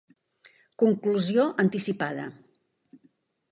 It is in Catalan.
Conclusió anticipada